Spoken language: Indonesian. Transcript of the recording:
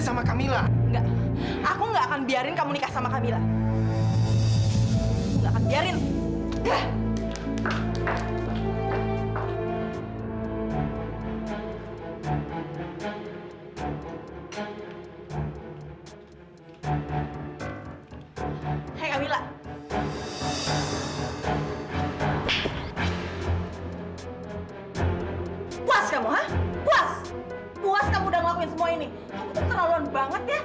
sampai jumpa di video selanjutnya